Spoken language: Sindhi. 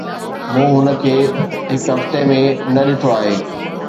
مون هن کي هڪ هفتي ۾ نه ڏٺو آهي.